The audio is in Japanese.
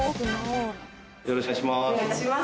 よろしくお願いします。